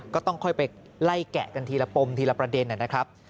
ก็ต้องค่อยไปไล่แกะกันทีละปมทีละประเด็นนะครับ